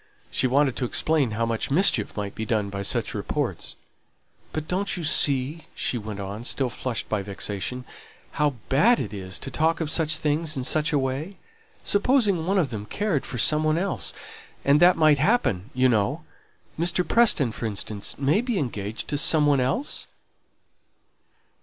She wanted to explain how much mischief might be done by such reports. "But don't you see," she went on, still flushed by vexation, "how bad it is to talk of such things in such a way? Supposing one of them cared for some one else, and that might happen, you know; Mr. Preston, for instance, may be engaged to some one else?"